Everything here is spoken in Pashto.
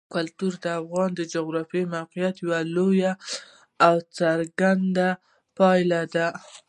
کلتور د افغانستان د جغرافیایي موقیعت یوه لویه او څرګنده پایله ده.